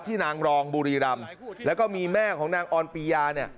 นางรองบุรีรำแล้วก็มีแม่ของนางออนปียาเนี่ย